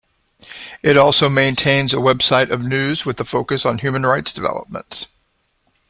It also maintains a website of news with a focus on human rights developments.